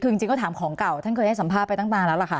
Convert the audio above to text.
คือจริงก็ถามของเก่าท่านเคยให้สัมภาษณ์ไปตั้งนานแล้วล่ะค่ะ